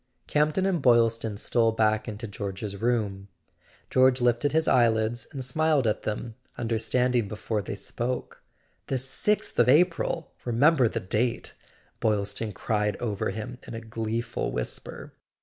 Camp ton and Boylston stole back into George's room. George lifted his eyelids and smiled at them, understanding before they spoke. "The sixth of April! Remember the date!" Boyl¬ ston cried over him in a gleeful whisper.